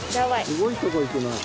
すごいとこいくなあ。